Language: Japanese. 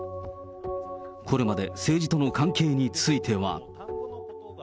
これまで政治との関係については。